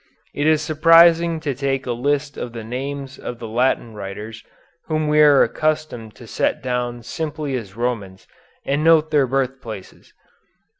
It is surprising to take a list of the names of the Latin writers whom we are accustomed to set down simply as Romans and note their birthplaces.